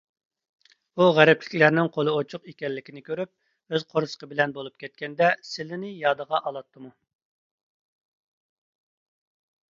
ئۇ غەربلىكلەرنىڭ قولى ئوچۇق ئىكەنلىكىنى كۆرۈپ، ئۆز قورسىقى بىلەن بولۇپ كەتكەندە سىلىنى يادىغا ئالاتتىمۇ؟